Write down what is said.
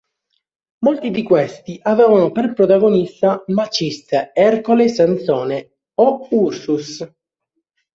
Molti di questi avevano per protagonista Maciste, Ercole, Sansone o Ursus.